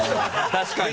確かに！